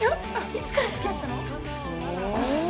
いつから付き合ってたの？